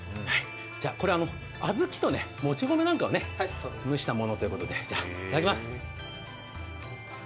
これ小豆ともち米なんかを蒸したものということで、いただきます。